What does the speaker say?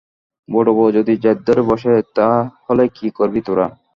বড়োবউ যদি জেদ ধরে বসে তা হলে কী করবি তোরা?